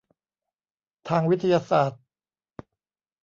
ทางวิทยาศาสตร์